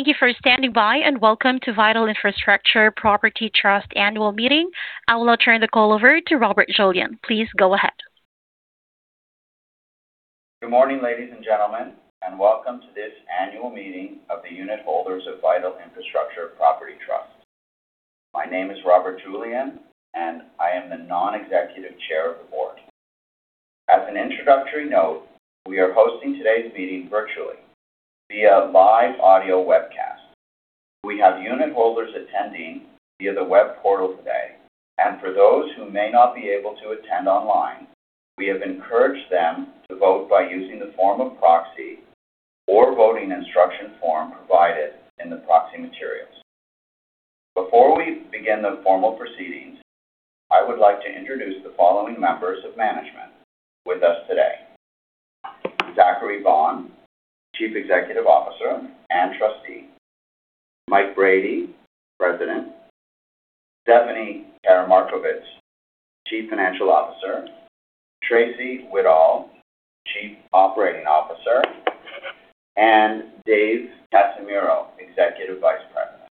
Thank you for standing by. Welcome to Vital Infrastructure Property Trust Annual Meeting. I will turn the call over to Robert Julien. Please go ahead. Good morning, ladies and gentlemen, and welcome to this Annual Meeting of the Unitholders of Vital Infrastructure Property Trust. My name is Robert Julien, and I am the Non-executive Chair of the Board. As an introductory note, we are hosting today's meeting virtually via live audio webcast. We have unitholders attending via the web portal today, and for those who may not be able to attend online, we have encouraged them to vote by using the form of proxy or voting instruction form provided in the proxy materials. Before we begin the formal proceedings, I would like to introduce the following members of management with us today. Zachary Vaughan, Chief Executive Officer and Trustee, Mike Brady, President, Stephanie Karamarkovic, Chief Financial Officer, Tracey Whittall, Chief Operating Officer, and Dave Casimiro, Executive Vice President,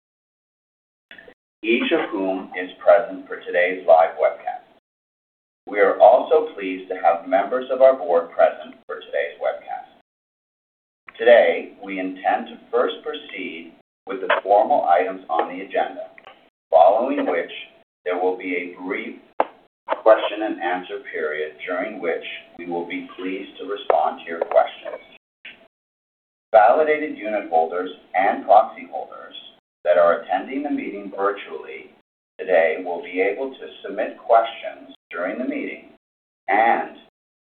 each of whom is present for today's live webcast. We are also pleased to have members of our Board present for today's webcast. Today, we intend to first proceed with the formal items on the agenda, following which there will be a brief question-and-answer period during which we will be pleased to respond to your questions. Validated unitholders and proxy holders that are attending the meeting virtually today will be able to submit questions during the meeting and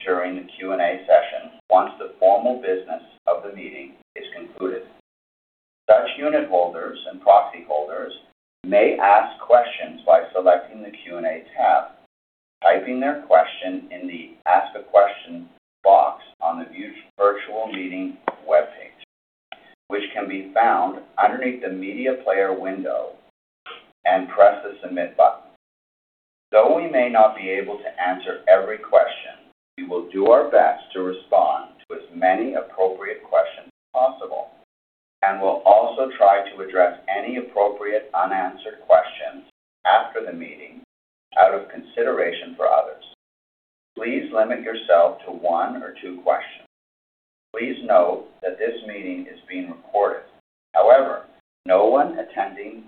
during the Q&A session once the formal business of the meeting is concluded. Such unitholders and proxyholders may ask questions by selecting the Q&A tab, typing their question in the Ask a Question box on the virtual meeting webpage, which can be found underneath the media player window, and press the Submit button. Though we may not be able to answer every question, we will do our best to respond to as many appropriate questions as possible and will also try to address any appropriate unanswered questions after the meeting out of consideration for others. Please limit yourself to one or two questions. Please note that this meeting is being recorded. However, no one attending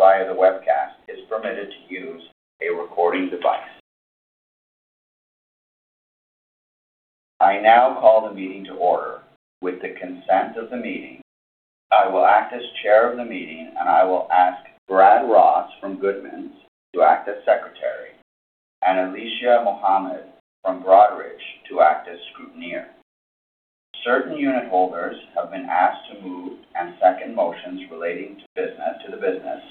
via the webcast is permitted to use a recording device. I now call the meeting to order. With the consent of the meeting, I will act as chair of the meeting, and I will ask Brad Ross from Goodmans to act as secretary and Alicia Mohammed from Broadridge to act as scrutineer. Certain unitholders have been asked to move and second motions relating to the business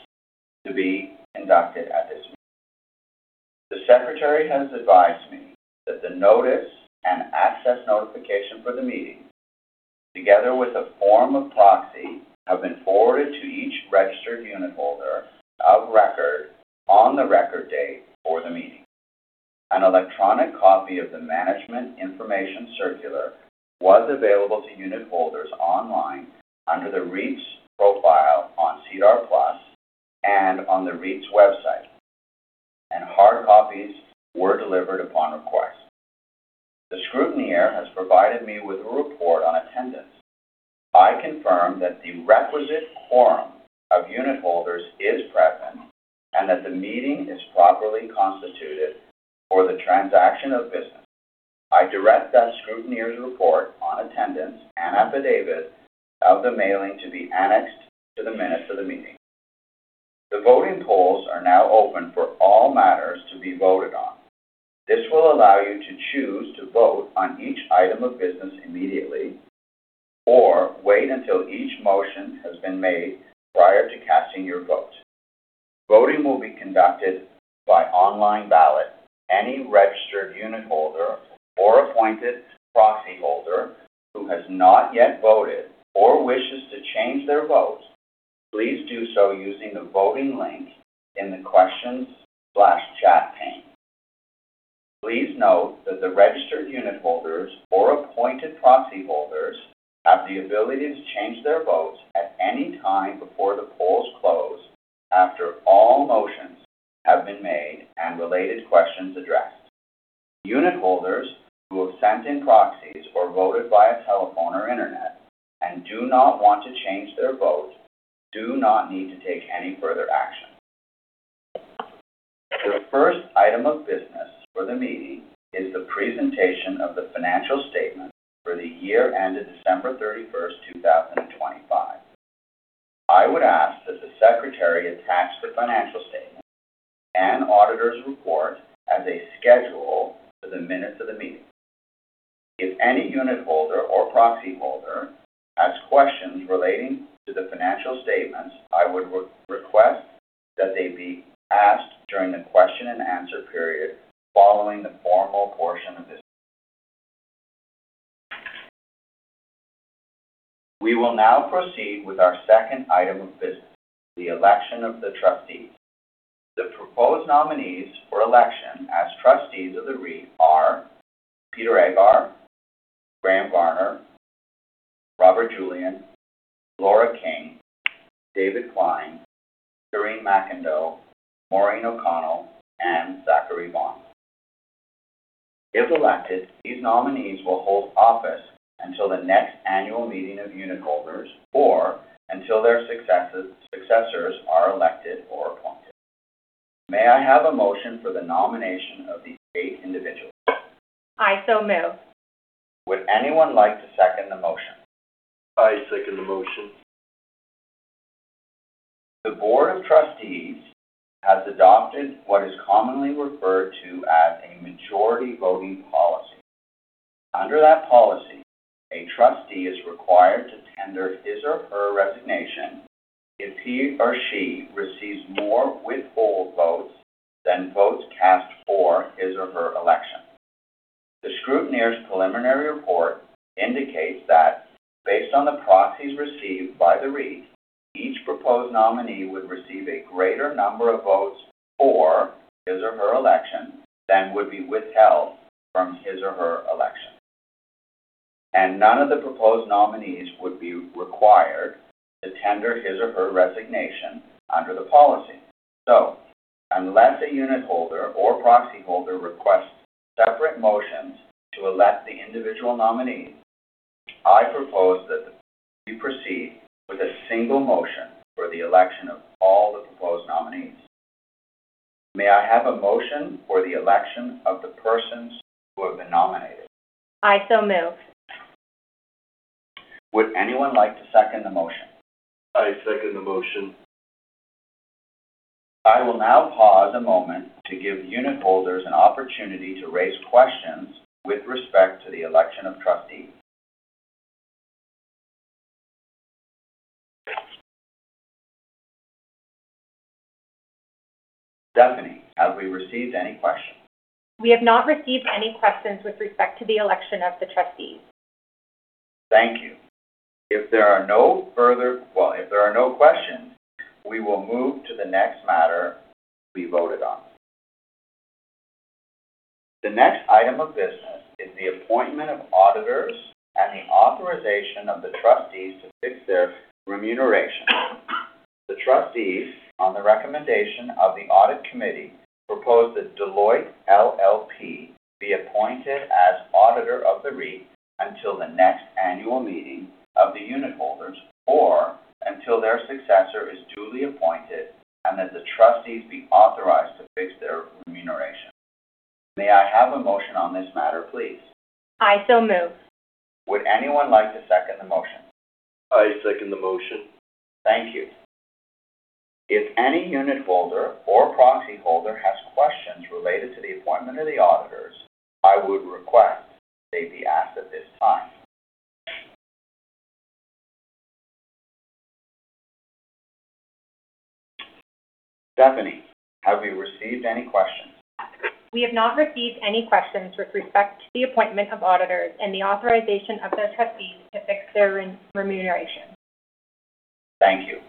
to be conducted at this meeting. The secretary has advised me that the notice and access notification for the meeting, together with a form of proxy, have been forwarded to each registered unitholder of record on the record date for the meeting. An electronic copy of the management information circular was available to unitholders online under the REIT's profile on SEDAR+ and on the REIT's website. Hard copies were delivered upon request. The scrutineer has provided me with a report on attendance. I confirm that the requisite quorum of unitholders is present and that the meeting is properly constituted for the transaction of business. I direct that scrutineer's report on attendance and affidavit of the mailing to be annexed to the minutes of the meeting. The voting polls are now open for all matters to be voted on. This will allow you to choose to vote on each item of business immediately or wait until each motion has been made prior to casting your vote. Voting will be conducted by online ballot. Any registered unitholder or appointed proxyholder who has not yet voted or wishes to change their vote, please do so using the voting link in the questions/chat pane. Please note that the registered unitholders or appointed proxyholders have the ability to change their votes at any time before the polls close, after all motions have been made and related questions addressed. Unitholders who have sent in proxies or voted via telephone or internet and do not want to change their vote do not need to take any further action. The first item of business for the meeting is the presentation of the financial statements for the year ended December 31st, 2025. I would ask that the secretary attach the financial statements and auditor's report as a schedule for the minutes of the meeting. If any unitholder or proxyholder has questions relating to the financial statements, I would request that they be asked during the question and answer period following the formal portion of this. We will now proceed with our second item of business, the election of the trustees. The proposed nominees for election as trustees of the REIT are Peter Aghar, Graham Garner, Robert Julien, Laura King, David Klein, Karine MacIndoe, Maureen O'Connell, and Zachary Vaughan. If elected, these nominees will hold office until the next Annual Meeting of Unitholders or until their successors are elected or appointed. May I have a motion for the nomination of these eight individuals? I so move. Would anyone like to second the motion? I second the motion. The Board of trustees has adopted what is commonly referred to as a majority voting policy. Under that policy, a trustee is required to tender his or her resignation if he or she receives more withhold votes than votes cast for his or her election. The scrutineer's preliminary report indicates that based on the proxies received by the REIT, each proposed nominee would receive a greater number of votes for his or her election than would be withheld from his or her election. None of the proposed nominees would be required to tender his or her resignation under the policy. Unless a unitholder or proxyholder requests separate motions to elect the individual nominees, I propose that we proceed with a single motion for the election of all the proposed nominees. May I have a motion for the election of the persons who have been nominated? I so move. Would anyone like to second the motion? I second the motion. I will now pause a moment to give unitholders an opportunity to raise questions with respect to the election of trustees. Stephanie, have we received any questions? We have not received any questions with respect to the election of the trustees. Thank you. If there are no questions, we will move to the next matter to be voted on. The next item of business is the appointment of auditors and the authorization of the trustees to fix their remuneration. The trustees, on the recommendation of the audit committee, propose that Deloitte LLP be appointed as auditor of the REIT until the next Annual Meeting of the Unitholders, or until their successor is duly appointed, and that the trustees be authorized to fix their remuneration. May I have a motion on this matter, please? I so move. Would anyone like to second the motion? I second the motion. Thank you. If any unitholder or proxyholder has questions related to the appointment of the auditors, I would request they be asked at this time. Stephanie, have you received any questions? We have not received any questions with respect to the appointment of auditors and the authorization of the trustees to fix their remuneration. Thank you.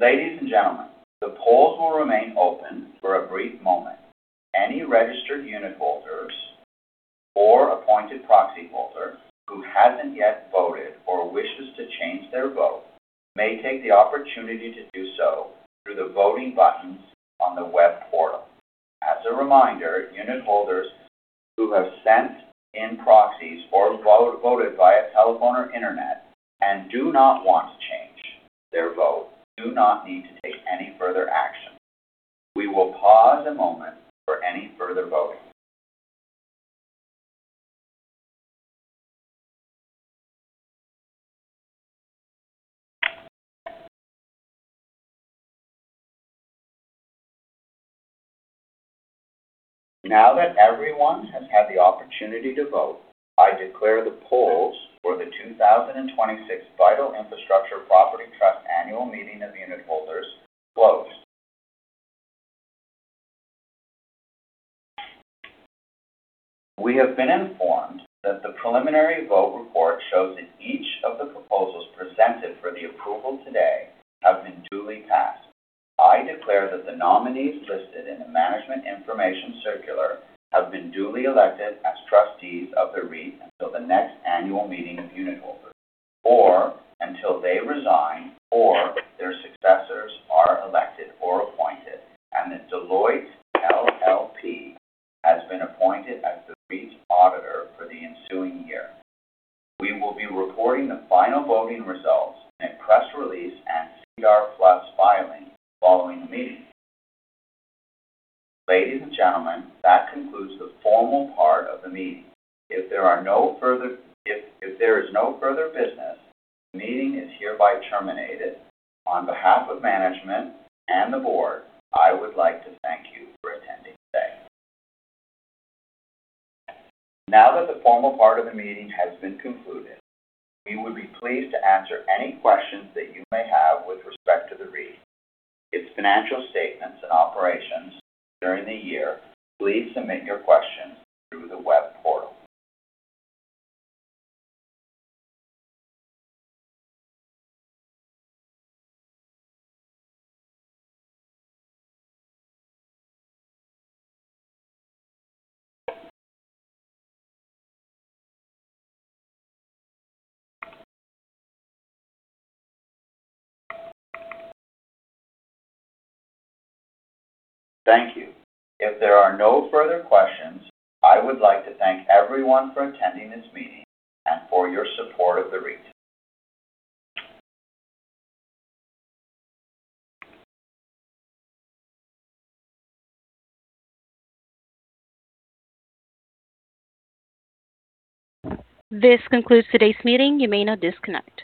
Ladies and gentlemen, the polls will remain open for a brief moment. Any registered unitholders or appointed proxyholders who hasn't yet voted or wishes to change their vote may take the opportunity to do so through the voting buttons on the web portal. As a reminder, unitholders who have sent in proxies or voted via telephone or internet and do not want to change their vote do not need to take any further action. We will pause a moment for any further voting. Now that everyone has had the opportunity to vote, I declare the polls for the 2026 Vital Infrastructure Property Trust Annual Meeting of Unitholders closed. We have been informed that the preliminary vote report shows that each of the proposals presented for the approval today have been duly passed. I declare that the nominees listed in the management information circular have been duly elected as trustees of the REIT until the next Annual Meeting of Unitholders, or until they resign or their successors are elected or appointed, and that Deloitte LLP has been appointed as the REIT's auditor for the ensuing year. We will be recording the final voting results in a press release and SEDAR+ filing following the meeting. Ladies and gentlemen, that concludes the formal part of the meeting. If there is no further business, the meeting is hereby terminated. On behalf of Management and the Board, I would like to thank you for attending today. Now that the formal part of the meeting has been concluded, we would be pleased to answer any questions that you may have with respect to the REIT, its financial statements and operations during the year. Please submit your questions through the web portal. Thank you. If there are no further questions, I would like to thank everyone for attending this meeting and for your support of the REIT. This concludes today's meeting. You may now disconnect.